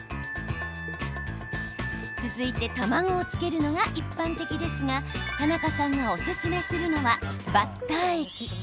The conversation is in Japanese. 続いて、卵をつけるのが一般的ですが田中さんがおすすめするのはバッター液。